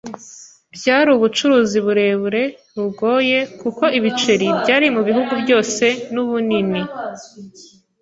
Byari ubucuruzi burebure, bugoye, kuko ibiceri byari mubihugu byose nubunini -